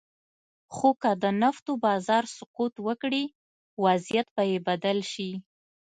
خو که د نفتو بازار سقوط وکړي، وضعیت به یې بدل شي.